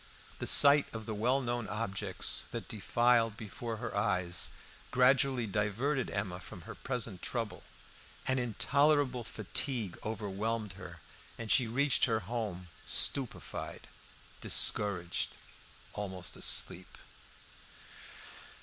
The sight of the well known objects that defiled before her eyes gradually diverted Emma from her present trouble. An intolerable fatigue overwhelmed her, and she reached her home stupefied, discouraged, almost asleep.